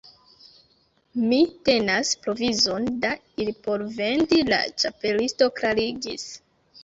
"Mi tenas provizon da ili por vendi," la Ĉapelisto klarigis.